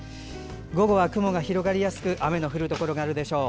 午後は雲が広がりやすく雨が降るところがあるでしょう。